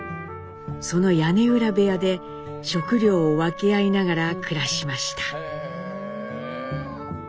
その屋根裏部屋で食料を分け合いながら暮らしました。